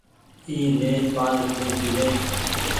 اي لي پآڻيٚ تونٚ پيلي